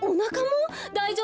だいじょうぶ？